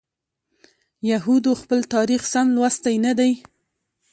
یهودو خپل تاریخ سم لوستی نه دی.